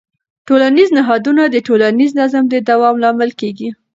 ټولنیز نهادونه د ټولنیز نظم د دوام لامل کېږي.